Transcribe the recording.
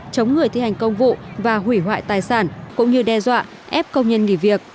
chống người thi hành công vụ và hủy hoại tài sản cũng như đe dọa ép công nhân nghỉ việc